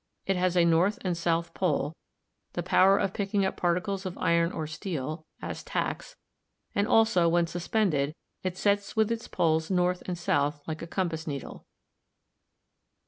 It has a north and south pole, the power of picking up particles of iron or steel, as tacks, and also, when suspended, it sets with its poles north and south like a compass needle.